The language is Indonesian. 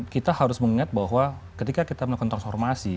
kita harus mengingat bahwa ketika kita melakukan transformasi